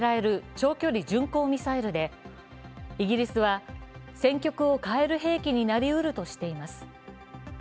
長距離巡航ミサイルでイギリスは戦局を変える兵器になりうるとしています。